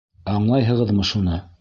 Аңлайһығыҙмы шуны?